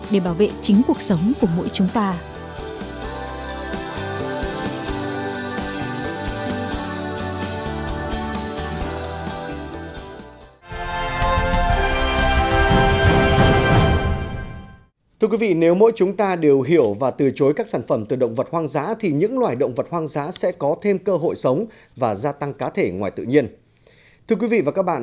để bảo vệ chính cuộc sống của mỗi chúng ta